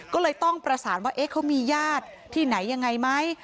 ก็เลยต้องประสานว่าเขามีญาติที่ไหนยังไงไหม